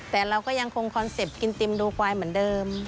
แต่เราก็ยังคงคอนเซ็ปต์กินติมดูควายเหมือนเดิม